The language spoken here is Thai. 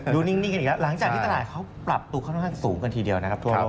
นิ่งกันอีกแล้วหลังจากที่ตลาดเขาปรับตัวค่อนข้างสูงกันทีเดียวนะครับทั่วโลก